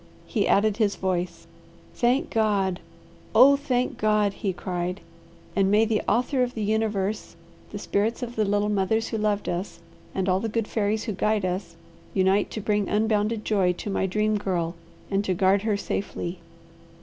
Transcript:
He added his voice. "Thank God! Oh, thank God!" he cried. "And may the Author of the Universe, the spirits of the little mothers who loved us, and all the good fairies who guide us, unite to bring unbounded joy to my Dream Girl and to guard her safely."